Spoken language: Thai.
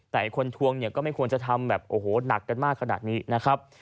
แต่คนทวงเนี่ยก็ไม่ควรจะทำแบบโอ้โหหนักกันมากขนาดนี้นะครับ